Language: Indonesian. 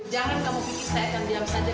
jangan kamu bikin saya akan diam saja